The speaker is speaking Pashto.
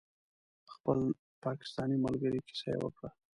د خپلې پاکستانۍ ملګرې کیسه یې وکړه.